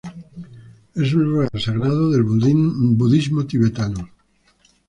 Es un lugar sagrado del budismo tibetano.